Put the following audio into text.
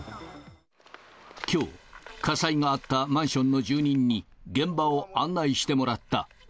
きょう、火災があったマンションの住人に現場を案内してもらった。